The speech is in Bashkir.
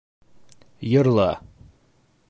Йырла.